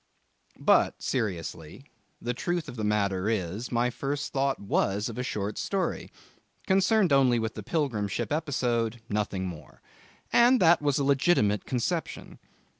But, seriously, the truth of the matter is, that my first thought was of a short story, concerned only with the pilgrim ship episode; nothing more. And that was a legitimate conception.